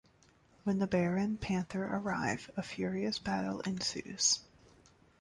When the bear and panther arrive, a furious battle ensues.